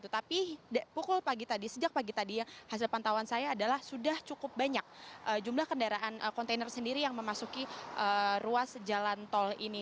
tapi pukul pagi tadi sejak pagi tadi hasil pantauan saya adalah sudah cukup banyak jumlah kendaraan kontainer sendiri yang memasuki ruas jalan tol ini